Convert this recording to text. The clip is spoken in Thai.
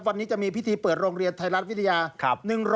วันนี้จะมีพิธีเปิดโรงเรียนไทยรัฐวิทยา